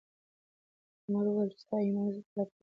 عمر وویل چې ستا ایمان زموږ لپاره الګو ده.